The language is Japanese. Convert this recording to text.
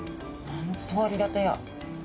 本当ありがたや。